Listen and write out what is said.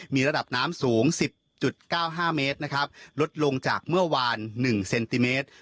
มีระดับน้ำสูง๑๐๙๕เมตรนะครับลดลงจากเมื่อวาน๑เซนติเมตร